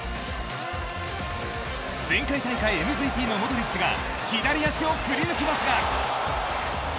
前回大会ＭＶＰのモドリッチが左足を振り抜きますが。